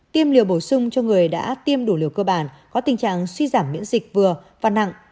tiêm liều bổ sung cho người đã tiêm đủ liều cơ bản có tình trạng suy giảm miễn dịch vừa và nặng